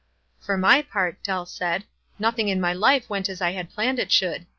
"For my part," Dell said, "nothing in my life went as I had planned it should.